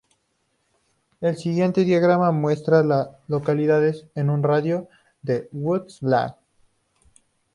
El siguiente diagrama muestra a las localidades en un radio de de Woodlawn.